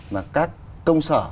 mà các công sở